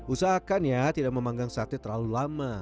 usahakan ya tidak memanggang sate terlalu lama